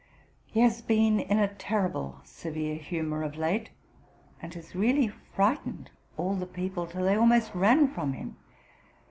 He has been in a terrible severe humour of late, and has really frightened all the people, till they almost ran from him.